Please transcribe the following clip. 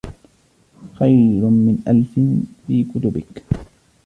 خَيْرٌ مِنْ أَلْفٍ فِي كُتُبِك